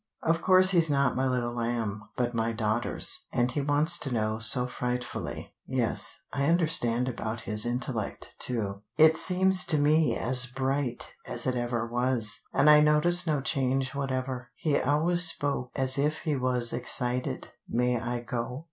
"Of course he's not my little lamb, but my daughter's, and he wants to know so frightfully. Yes: I understand about his intellect, too. It seems to me as bright as it ever was, and I notice no change whatever. He always spoke as if he was excited. May I go?"